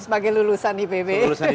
sebagai lulusan ipb